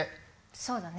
そうだね。